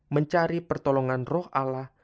mencari pertolongan roh allah